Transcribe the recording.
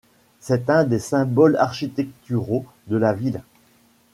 C'est un des symboles architecturaux de la ville.